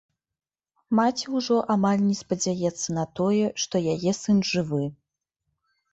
Маці ўжо амаль не спадзяецца на тое, што яе сын жывы.